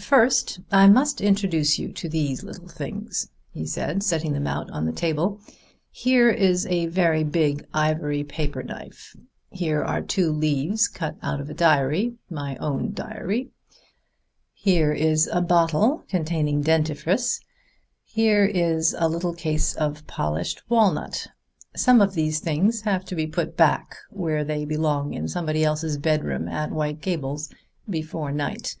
"First I must introduce you to these little things," he said, setting them out on the table. "Here is a big ivory paper knife; here are two leaves cut out of a diary my own diary; here is a bottle containing dentifrice; here is a little case of polished walnut. Some of these things have to be put back where they belong in somebody's bedroom at White Gables before night.